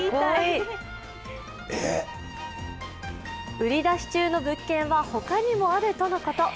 売り出し中の物件は他にもあるとのこと。